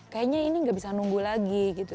kayaknya ini nggak bisa nunggu lagi gitu